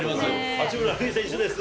八村塁選手です。